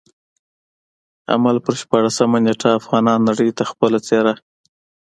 د حمل پر شپاړلسمه نېټه افغانانو نړۍ ته خپله څېره.